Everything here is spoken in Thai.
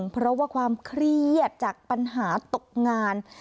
เพราะว่าความเครียดจากปัญหาตกงาน